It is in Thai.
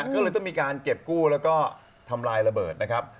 ก็เลยต้องมีการเก็บกู้แล้วก็ทำลายระเบิดนะครับ